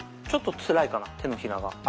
ちょっとツライかな手のひらが。